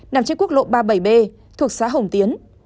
nằm trên quốc lộ ba mươi bảy b thuộc xã hồng tiến